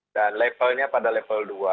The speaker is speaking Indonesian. dan levelnya pada level dua